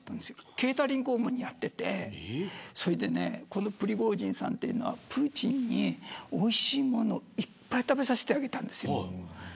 ケータリングを主にやっていてこのプリゴジンさんというのはプーチンにおいしいものをいっぱい食べさせてあげたんです。